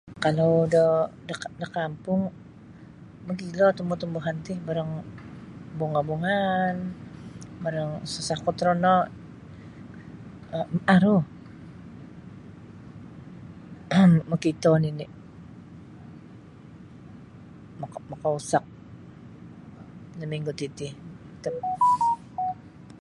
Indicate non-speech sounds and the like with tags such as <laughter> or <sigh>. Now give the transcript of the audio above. Kalau da da da kampung mogilo tumbu-tumbuhan ti barang bunga-bungaan barang sesakut torono um aru <coughs> mokito nini moko mokousak da minggu titi.